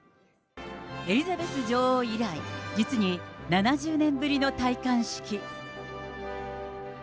エリザベス女王以来、実に７０年ぶりの戴冠式。